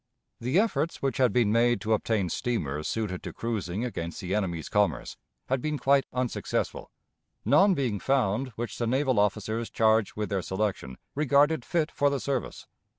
The efforts which had been made to obtain steamers suited to cruising against the enemy's commerce had been quite unsuccessful, none being found which the naval officers charged with their selection regarded fit for the service.